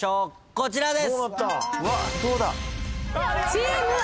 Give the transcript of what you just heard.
こちらです。